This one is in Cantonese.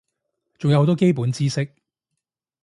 仲有好多基本知識